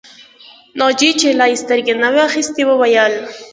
ناجيې چې لا يې سترګې نه وې اخيستې وویل